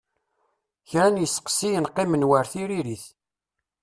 Kra n iseqsiyen qqimen war tiririt.